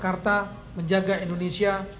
jakarta menjaga indonesia